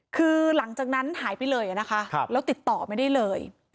คือหลังจากนั้นหายไปเลยนะคะแล้วติดต่อไม่ได้เลย